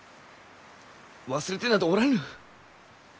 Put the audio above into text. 忘れてなどおらぬ！